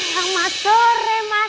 selamat sore mas al